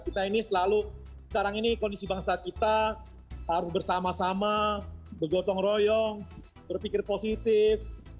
kita ini selalu sekarang ini kondisi bangsa kita harus bersama sama bergotong royong berpikir positif